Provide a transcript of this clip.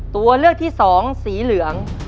ตัวเลือกที่สองสีเหลือง